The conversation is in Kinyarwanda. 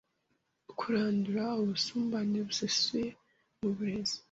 Kurandura ubusumbane busesuye mu burezi